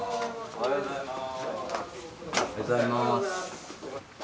おはようございます。